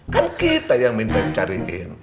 kan kita yang minta cariin